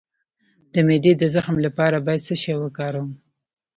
د معدې د زخم لپاره باید څه شی وکاروم؟